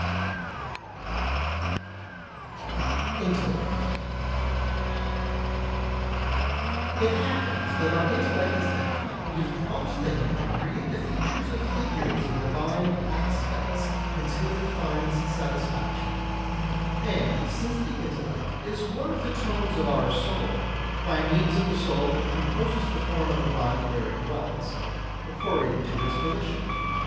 [Sidenote: Intellect] 73. It happens that our intellect is that which prompts the hand to create the features of figures in divine aspects until it finds satisfaction; and since the intellect is one of the tones of our soul, by means of the soul it composes the form of the body where it dwells, according to its volition.